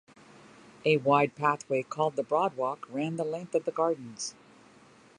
A wide pathway called the Broad Walk ran the length of the gardens.